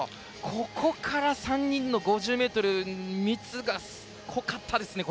ここから３人の５０ｍ密が濃かったですね。